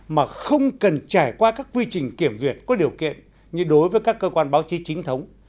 mà không cần trải qua các quy trình kiểm duyệt có điều kiện như đối với các cơ quan báo chí chính thống